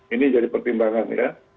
ini jadi pertimbangan ya